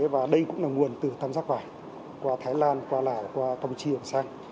và đây cũng là nguồn từ tân giác vải qua thái lan qua lào qua tông tri hồng sang